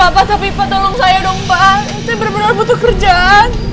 pak kopi pak tolong saya dong pak saya benar benar butuh kerjaan